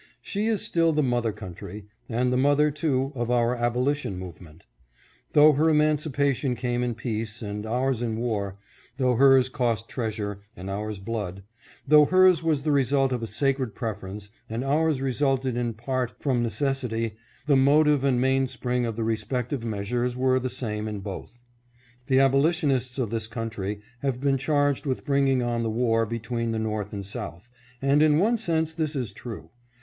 She is still the mother country, and the mother, too, of our abolition movement. Though her emancipation came in peace, and ours in war ; though hers cost treasure, and ours blood ; though hers was the result of a sacred preference, and ours resulted in part ANTI SLAVERY SENTIMENT PROVOKED SECESSION. 60T from necessity, the motive and mainspring of the respec tive measures were the same in both. The abolitionists of this country have been charged with bringing on the war between the North and South, and in one sense this is true.